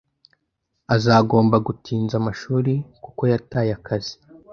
Azagomba gutinza amashuri kuko yataye akazi